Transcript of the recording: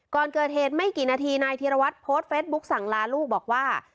ก่อนเกิดเหตุไม่กี่นาทีนายธีรวัตรโพสต์เฟสบุ๊คสั่งลาลูกบอกว่า